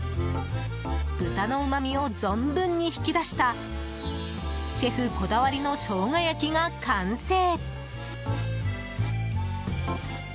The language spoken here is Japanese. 豚のうまみを存分に引き出したシェフこだわりのショウガ焼きが完成。